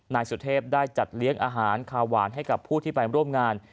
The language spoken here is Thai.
นายสุเทพได้จัดเลี้ยงอาหารคาหวานให้กับผู้ที่ไปร่วมงาน